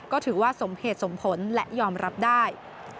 ก็ถือว่าสมเหตุสมผลและยอมรับได้